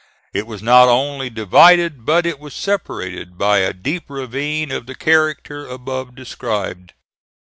It was not only divided, but it was separated by a deep ravine of the character above described.